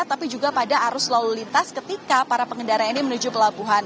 tapi juga pada arus lalu lintas ketika para pengendara ini menuju pelabuhan